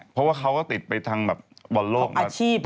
เพราะว่าเขาก็ติดไปทางบรรโลกประหลอดอยู่แล้วอ่ออาชีพ